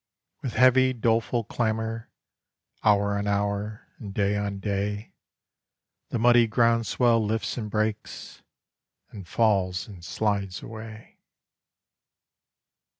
With heavy doleful clamour, hour on hour, and day on day, The muddy groundswell lifts and breaks and falls and slides away.